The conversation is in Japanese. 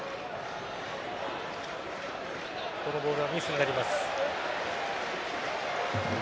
このボールはミスになります。